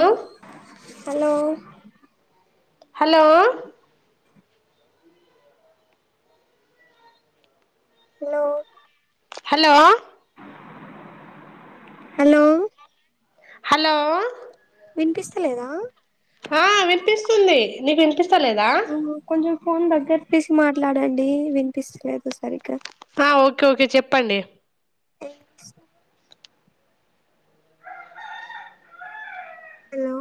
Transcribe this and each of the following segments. Hello hello hello? Hello hello hello hello వినిపిస్తలేదా? ఆ వినిపిస్తుంది. నిక్ విన్పిస్తున్ స్తలేదా? కొంచెం ఫోన్ దగ్గర తీసి మాట్లాడండి, వినిపిస్తలేదు సరిగ్గా? ఆ, ఓకే ఓకే చెప్పండి? ఏం చేస్తుర్రు? హలో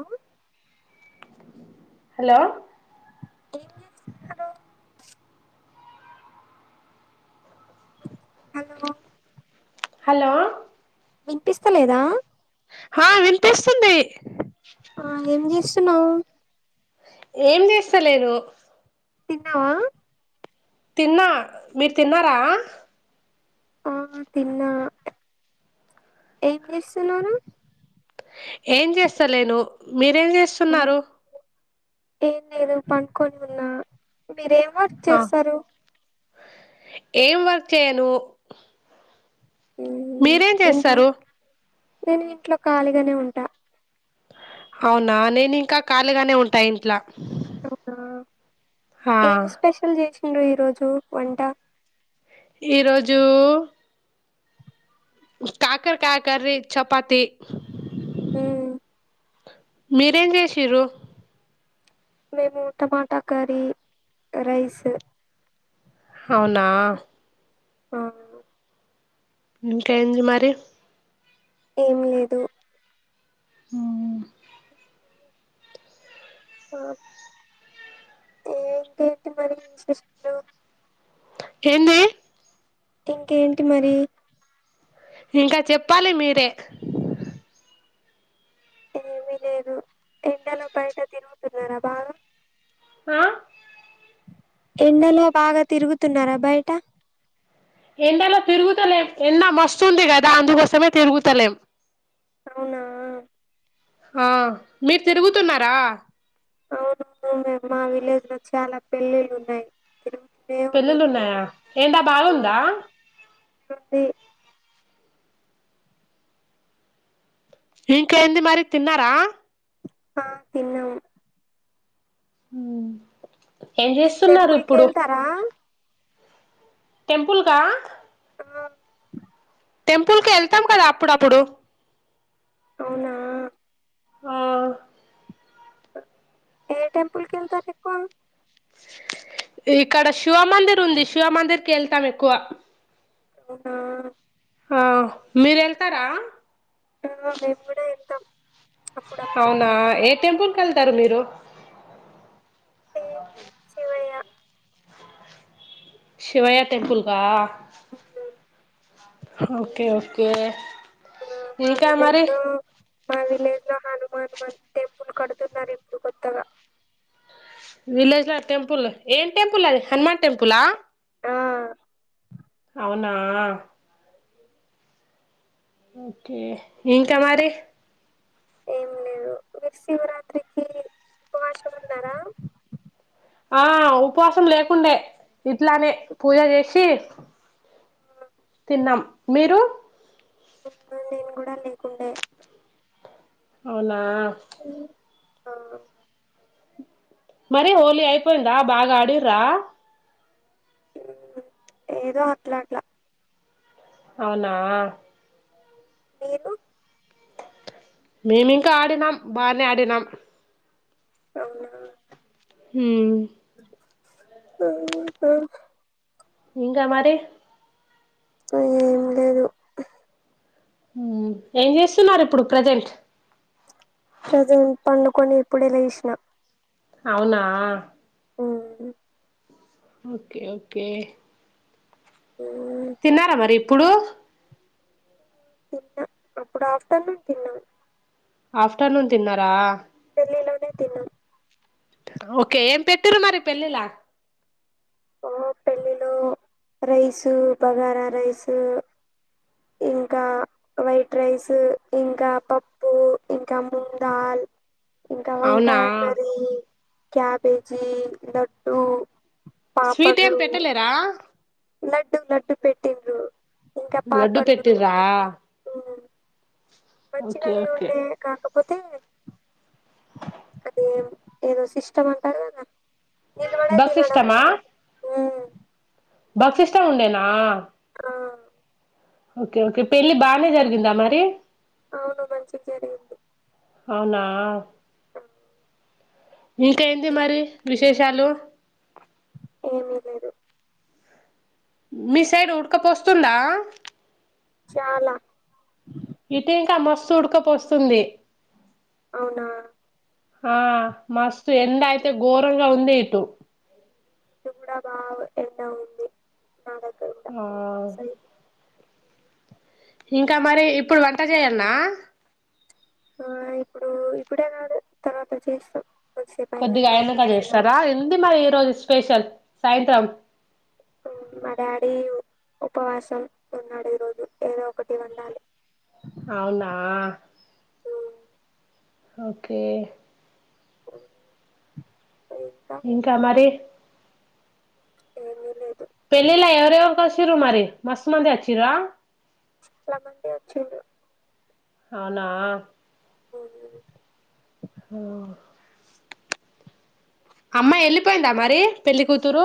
హలో ఏం చేస్తున్నరు? హలో హలో వినిపిస్తలేదా? ఆ, వినిపిస్తుంది. ఆ, ఏం జేస్ తున్నవూ? ఏం చేస్తాలేను. తిన్నావా? తిన్నా, మీరు తిన్నారా? ఆ తిన్నా, ఏం చేస్తున్నరు? ఏం చేస్తాలేను, మీరేం చేస్తున్నారు? ఏం లేదు, పండ్కొని ఉన్నా. మీరేం వర్క్ ఆ చేస్తరు? ఏం వర్క్ చేయను. మ్మ్ మీరేం ఇంట్లో చేస్తరు? నేను ఇంట్లో ఖాళీగానే ఉంటా. అవునా, నేనింకా కాళీగానే ఉంటా ఇంట్లా. ఆ ఏమి స్పెషల్ చేస్ ర్రు ఈ రోజు వంట? ఈరోజు కాకరకాయ కర్రీ చపాతి ఉ మీరేం చేసిరు మేము టమాటా కర్రీ రైస్ అవునా హ ఇంకా ఎంది మరి ఏం లేదు హు ఆ ఏంటండి మరి విశేషాలు ఎంది ఇంకేంటి మరి ఇంకా చెప్పాలి మీరే ఏమి లేదు ఎండలో బయట తిరుగుతున్నారా బాగా ఆ ఎండలో బాగా తిరుగుతున్నారా బయట ఎండలో తిరుగుతలేం ఎండ మస్తుంది కదా అందుకోసమే తిరుగుతలేం అవునా ఆ మీరు తిరుగుతున్నారా అవును బ్రో మేము మా విలేజ్ లో చాలా పెల్లి ళ్ళు ఉన్నాయి తిరు పెళ్లిలు ఉన్నాయా ఎండ బాగుందా మేమండి ఇంకా ఎంది మరి తిన్నారా ఆ తిన్నాము హు ఏం మీరు చేస్తున్నారు టెంపుల్ కి ఇప్పుడు వెళ్తారా టెంపుల్ కా ఆ టెంపులు కి యెల్తం కదా అప్పుడప్పుడు అవునా ఆ ఏ టెంపుల్ కెళ్తారు ఎక్కువ ఇక్కడ శివమందిర్ ఉంది శివమందిర్ కి కేళ్తాం ఎక్కువ అవునా ఆ మీరు ఎళ్తారా ఆ మేము కూడా ఎళ్తాం అవునా ఏ టెంపుల్ వెళ్తారు మీరు ఓహ సేమ్ శివయ్య శివయ్య టెంపుల్ కా ఓకే ఓకే ఆ మా ఇంకా విలేజ్ మరి లో మా విలేజ్ లో హను మాన్ టెంపుల్ కడుతున్నారు ఇప్పుడు కొత్తగా విలేజ్ లో టెంపుల్ ఏం టెంపుల్ అది హనుమాన్ టెంపుల ఆ అవునా ఓకే ఇంకా మరి ఏం లేదు మీరు శివరాత్రికి ఉపవాసం ఉన్నారా ఆ ఉపవాసం లేకుండే ఇంట్లానే పూజ చేసి తిన్నాం మీరు అ నేను కూడా లేకుండే అవునా ఆ మరి హోలీ అయిపోయిందా బాగా ఆడిర్రా ఏదో అట్లాట్లా అవునా మీరు మేమి ఇంకా ఆడినాం బానే ఆడినాం అవున హ ఆ ఇంగ మరి కా ఏం లేదు ఏం చేస్తున్నారు ఇప్పుడు ప్రజెంట్ ప్రజెంట్ పండుకొని ఇప్పుడె లెసిన అవునా ఉ ఓకే ఓకే [inaudible] తిన్నారా మరి ఇప్పుడు తిన్నా అప్పుడు ఆఫ్టర్నూన్ తిన్నా ఆఫ్టర్నూన్ తిన్నారా ఇల్ ఎలానే తిన ఓకే ఏం పెట్టరు మరి పెళ్ళిలా పెళ్ళిలో రైసు బగారా రైస్ ఇంకా వైట్ రైస్ ఇంకా పప్పు ఇంకా ముూందాల్ ఇంకా అవునా వంకాయకరి క్యా బేజీ లడ్డూ స్వీట్ ఏం పెట్టలేరా లడ్డు లడ్డు పెట్టిందు లడ్డు పెట్టిర్రా ఓకే మచ్చిగానే ఓకే ఉండే కా కాకపోతే అది ఏదో సిస్టమ్ అంటారు కదా నిల బడె తినడం భఫ్సిష్టమ్ ఉండేనా ఆ ఓకే ఓకే పెళ్లి బానే జరిగిందా మరి అవును మంచిగా జరిగింది అవునా ఇంకేంటి మరి విశేషాలు ఏమీ లేదు మీ సైడ్ ఉడకపోస్తుందా చాలా ఇటీ ఇంకా మస్తు ఉడుకపోస్తుంది అవునా ఆ మస్తు ఎండ అయితే ఘోరంగా ఉంది ఇటు ఇటు కూడా బాగా ఎండా ఉంది నా దగ్గర కూడా ఆ మా సైడ్ ఇంకా మరి ఇప్పుడు వంట చేయల్ల ఆ ఇప్పుడు ఇప్పుడే కాదు తర్వాత చేస్తాం కొద్దిసేపు కొద్దిగా అయినంక అయినట చేస్తాం చేస్తారా ఎంది మరి ఈ రోజు స్పెషల్ సాయంత్రం మా డాడీ ఉపవాసం ఉన్నాడు ఈ రోజు ఏదో ఒకటి వండాలి అవునా ఓకే ఇంకా మరి ఏమి లే అచ్చిరు మరి మస్త్ మందే అచ్చిరా చాలామంది వచ్చిండ్రు అవునా ఊ హు అమ్మాయి వెళ్ళిపోయిందా మరి పెళ్ళికతురు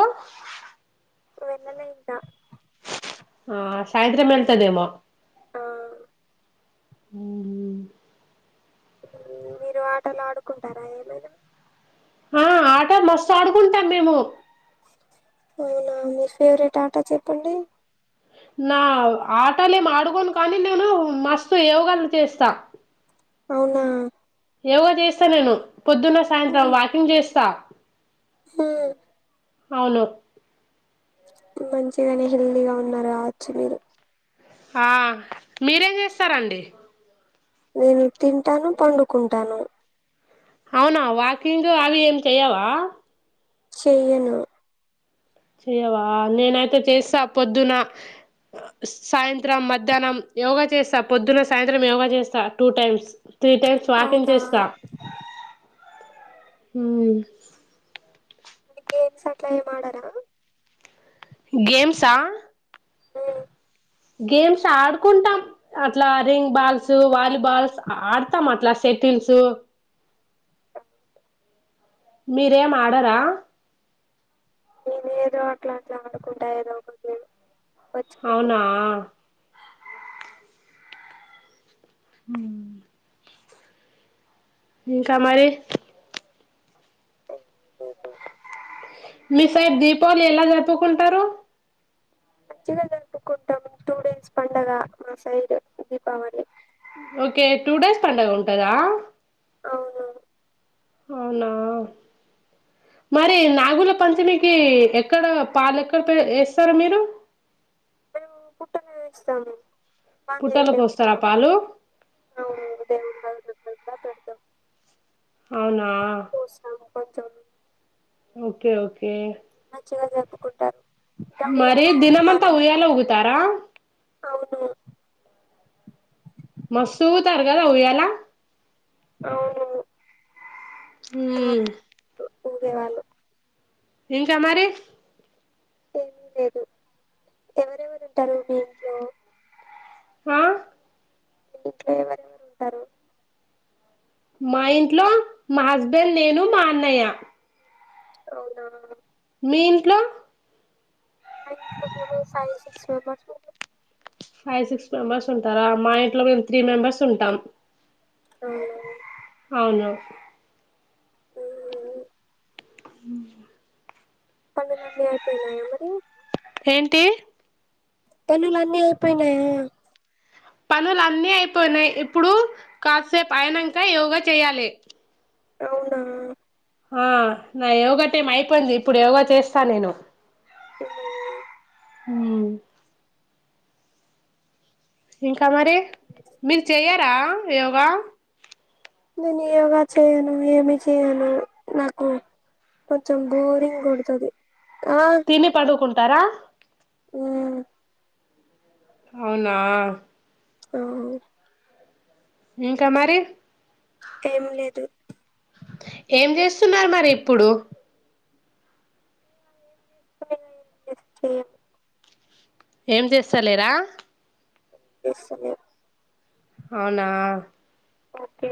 వెళ్ళలే ఇంకా ఆ సాయంత్రం వెళ్తేదేమో ఆ ఉహు మీరు ఆటలు ఆడుకుంటారా ఏమైనా ఆ ఆట మస్తు ఆడుకుంటాం మేము అవునా మీ ఫేవరెట్ ఆట చెప్పండి నా ఆటలే ఏం ఆడుకోను కానీ నేను మస్తు యోగాలు చేస్తా అవునా ఏవో చేస్తా నేను పొద్దున్న సాయంత్రం వాకింగ్ చేస్తా హు అవును మంచిగానే హెల్తీగా ఉన్నారు కావచ్చు మీరు ఆ మీరేం చేస్తారండి నేను తింటాను పండుకుంటాను అవునా వాకింగ్ అవి ఏం చెయవా చెయ్యను చెయవా నేనైతే చేస్తా పొద్దున సాయంత్రం మధ్యాహ్నం యోగా చేస్తా పొద్దున సాయంత్రం యోగా చేస్తా two times three times walking అవునా చేస్తా ఉమ్ గేమ్స్ అట్లా ఏమిఆడరా గేమ్సా ఉమ్ గేమ్స్ ఆడుకుంటాం అట్లా రింగ్ బాల్స్ వాలీబాల్స్ ఆడతాం అట్లా సెటిల్స్ మీరేం ఆడరా నేను ఏదో అట్లా అట్లా ఆడుకుంటా ఏదో ఒక గేమ్ వచ్చినది అవునా ఉమ్మ్ ఇంకా మరి [unintelligible] మీ సైడ్ దీపావళి ఎలా జరుపుకుంటారు మంచిగా జరుపుకుంటాం టూ డేస్ పండగ మా side Deepavali okay two days పండగ ఉంటదా అవును అవునా మరి నాగుల పంచమికి ఎక్కడ పాలు ఎక్కడ వేస్తారు మీరు పుట్టమిదేస్తం మాహదేవి పుట్టలో పోస్తారా పాలు టెంపుల్వును దేవు పెడతా పెడతా అవునా [unintelligible] ఓకే ఓకే మంచిగా జరుపుకుంటామ్ మరిదినమంతా ఉయ్యలో ఉగుతారా అవును మస్తు ఊగుతారు కద ఊయాలా ఓ మ్మ్ ఊగే వాళ్ళు ఇంకా మరి ఏమీ లేదు ఎవరెవరు ఉంటారు మీ ఇంట్లో ఆ ఇంట్లో ఎవరెవరు ఉంటారు మా ఇంట్లో మా అవునా మీ ఇంట్లో మా ఇంట్లోఫైవ్ సిక్స్ మెంబర్స్ ఉన్నాం ఫైవ్ సిక్స్ మెంబెర్స్ ఉంటారా మా ఇంట్లో మేము త్రీ మెంబెర్స్ ఉంటాం అవునా అవును మ్మ్ ఉమ్ పనులన్నీ ఏంటి పనులు అన్నీ అయిపోయినాయా పనులు అన్నీ అయిపోయినాయి ఇప్పుడు కాసేపు అయినాక యోగా చేయాలి అవునా ఆ నా యోగా టైం అయిపోయింది. ఇప్పుడు యోగా చేస్తా నేను మ్మ్ హ్ ఎం క క మరి మీరు చెయ ట్ట యోగా నేను యోగా చేయను. ఏమి చేయను నాకు కొంచెం బోరింగ్ కొడుతది. తిని పడుకుం తర హ్ అవునా ఆ ఇంకా మరి ఏం లేదు ఏం జేస్తున్నారు. మరి ఇప్పుడు [unintelligible] ఏం చేస్త లేరా ఏం జేస్తలేం. అవునా ఓకే